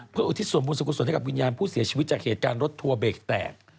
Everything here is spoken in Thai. เพื่ออุทิศส่วนบุญสุขุศลให้กับวิญญาณผู้เสียชีวิตจากเหตุการณ์รถทัวร์เบรกแตก